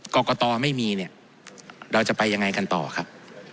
กรกตไม่มีเนี่ยเราจะไปยังไงกันต่อครับ